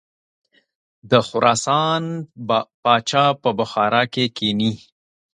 د خراسان پاچا په بخارا کې کښیني.